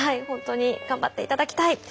本当に頑張っていただきたい。